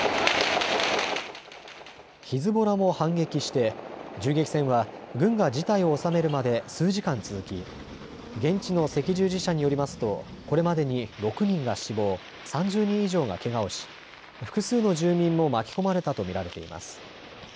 ヒズボラも反撃して銃撃戦は軍が事態を収めるまで数時間続き現地の赤十字社によりますとこれまでに６人が死亡、３０人以上がけがをし複数の住民も巻き込まれたと見られています。